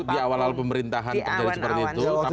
di awal awal pemerintahan terjadi seperti itu